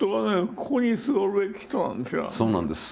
ここに座るべき人なんですよ。